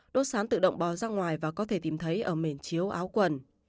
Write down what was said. đốt sán tự động bò ra ngoài và có thể tìm thấy ở mền chiếu áo quần